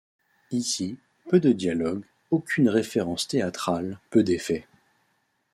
Ici, peu de dialogues, aucune référence théâtrale, peu d'effets.